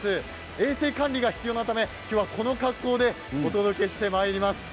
衛生管理が必要なため今日はこの格好でお届けしてまいります。